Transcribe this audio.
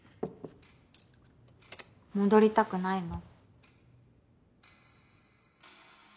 戻りたくないの？